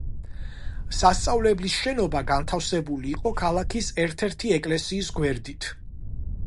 სასწავლებლის შენობა განთავსებული იყო ქალაქის ერთ-ერთი ეკლესიის გვერდით.